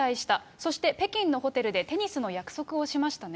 そして北京のホテルでテニスの約束をしましたね。